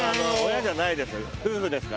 親じゃないです。